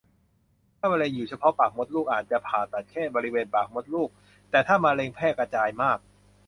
ถ้ามะเร็งอยู่เฉพาะปากมดลูกอาจจะผ่าตัดแค่บริเวณปากมดลูก แต่ถ้ามะเร็งแพร่กระจายมาก